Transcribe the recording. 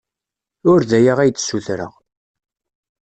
Ur d aya ay d-ssutreɣ.